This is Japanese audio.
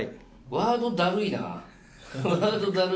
ワードだるいわ。